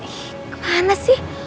ih kemana sih